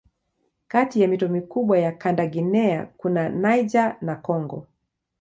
Kati ya mito mikubwa ya kanda Guinea kuna Niger na Kongo.